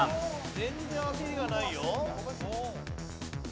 全然焦りがないよ。